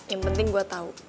yang penting gue tau